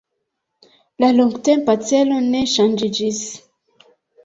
La longtempa celo ne ŝanĝiĝis.